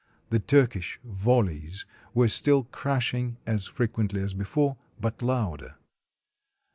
The Turk ish volleys were still crashing, as frequently as before, but louder.